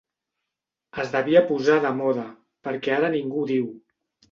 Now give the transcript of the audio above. Es devia posar de moda, perquè ara ningú ho diu.